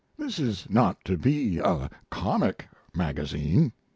This is not to be comic magazine.